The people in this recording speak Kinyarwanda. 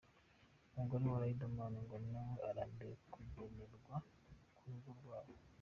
Umugore wa Riderman ngo nawe arambiwe kuvugerwa ku rugo rwabo.